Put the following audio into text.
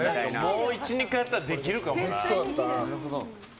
もう１２回やったらできるかもな。